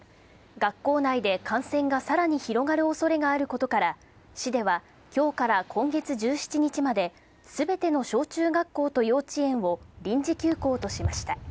学校内で感染がさらに広がるおそれがあることから、市ではきょうから今月１７日まですべての小中学校と幼稚園を臨時休校としました。